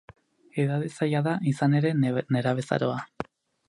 Edade zaila da, izan ere, nerabezaroa.